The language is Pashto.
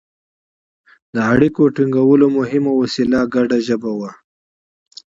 د اړیکو ټینګولو مهمه وسیله ګډه ژبه وه.